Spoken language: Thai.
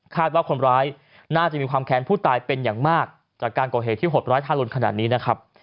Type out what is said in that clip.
ว่าคนร้ายน่าจะมีความแค้นผู้ตายเป็นอย่างมากจากการก่อเหตุที่หดร้ายทารุณขนาดนี้นะครับ